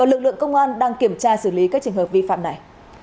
các lực lượng công an đang kiểm tra xử lý các trình hợp vi phạm này